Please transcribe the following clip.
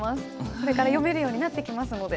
これから読めるようになってきますので。